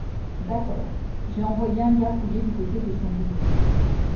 D’accord. J’ai envoyé un gars fouiller du côté de son boulot.